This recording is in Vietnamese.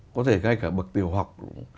có thể ngay cả bậc tiểu học